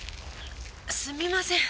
すみません。